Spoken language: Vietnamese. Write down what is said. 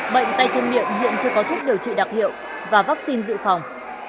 bệnh tay chân miệng hiện chưa có thuốc điều trị đặc hiệu và vaccine dự phòng